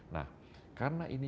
nah karena ini